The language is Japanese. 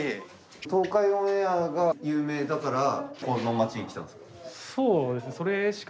東海オンエアが有名だからこの町に来たんですか？